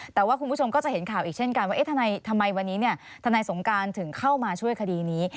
แต่ว่าคุณผู้ชมก็จะเห็นข่าวอีกเช่นกันว่าทำไมวันนี้ทนายสงการถึงเข้ามาช่วยคดีนี้